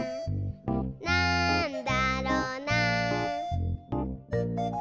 「なんだろな？」